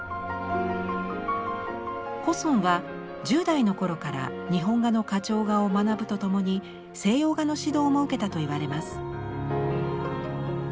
古は１０代の頃から日本画の花鳥画を学ぶとともに西洋画の指導も受けたといわれます。